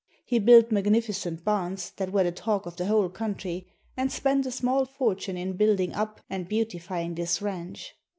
He built magnificent barns that were the talk of the whole country, and spent a small fortune in building up and beautifying this ranch.